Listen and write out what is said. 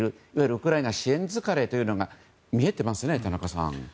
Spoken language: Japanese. ウクライナ支援疲れというのが見えていますね、田中さん。